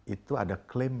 itu ada klaim